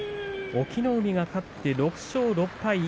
隠岐の海が勝って６勝６敗。